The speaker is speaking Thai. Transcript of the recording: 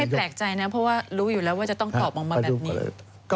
แปลกใจนะเพราะว่ารู้อยู่แล้วว่าจะต้องตอบออกมาแบบนี้